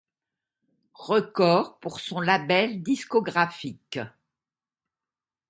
Records pour son label discographique.